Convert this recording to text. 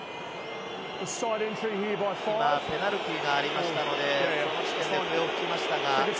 ペナルティーがありましたので、レフェリーが笛を吹きました。